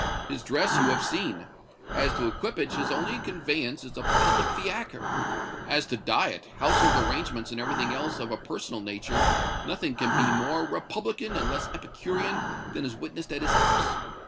His dress you have seen; as to equipage his only conveyance is a public fiacre; as to diet, household arrangements and everything else of a personal nature, nothing can be more republican and less epicurean than is witnessed at his house.